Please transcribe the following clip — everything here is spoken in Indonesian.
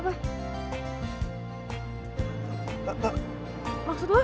serius gua lagi serius ini